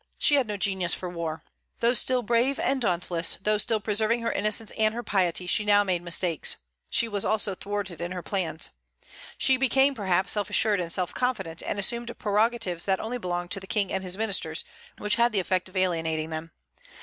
She had no genius for war. Though still brave and dauntless, though still preserving her innocence and her piety, she now made mistakes. She was also thwarted in her plans. She became, perhaps, self assured and self confident, and assumed prerogatives that only belonged to the King and his ministers, which had the effect of alienating them.